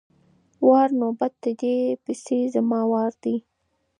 وار= نوبت، د دې پسې زما وار دی!